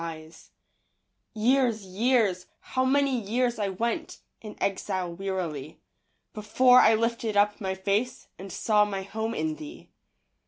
Years, years, how many years I went In exile wearily, Before I lifted up my face And saw my home in thee.